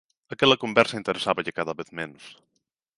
Aquela conversa interesáballe cada vez menos.